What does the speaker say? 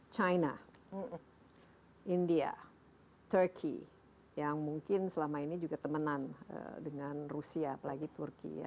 china india turkey yang mungkin selama ini juga temenan dengan rusia apalagi turki